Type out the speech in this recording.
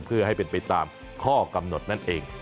เพื่อให้เป็นไปตามข้อกำหนดนั่นเอง